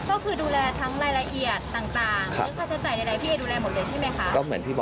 แล้วก็วันนี้